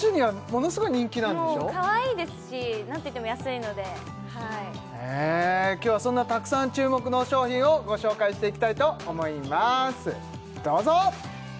もうかわいいですしなんといっても安いのではい今日はそんなたくさん注目の商品をご紹介していきたいと思いますどうぞ！